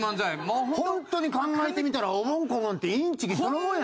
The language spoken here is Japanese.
ホントに考えてみたらおぼん・こぼんってインチキそのものや。